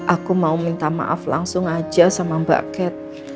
aku mau minta maaf langsung aja sama mbak cat